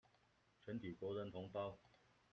全體國人同胞